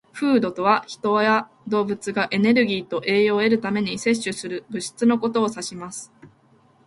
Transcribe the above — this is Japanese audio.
"Food" とは、人や動物がエネルギーと栄養を得るために摂取する物質のことを指します。